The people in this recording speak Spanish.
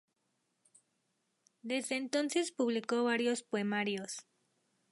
Desde entonces publicó varios poemarios.